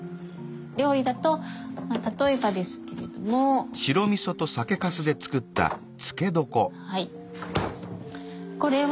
料理だと例えばですけれどもよいしょ。